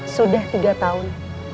sudah tiga tahun